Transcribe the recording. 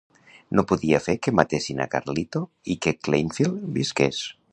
No podia fer que matessin a Carlito i que Kleinfield visqués.